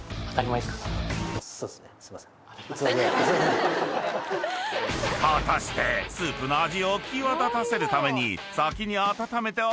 ［果たしてスープの味を際立たせるために］